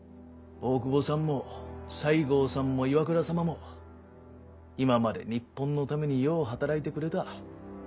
大久保さんも西郷さんも岩倉様も今まで日本のためによう働いてくれた。